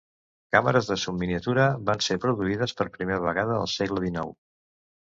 Càmeres de subminiatura van ser produïdes per primera vegada al segle dinou.